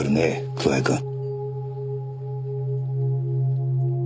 桑井くん。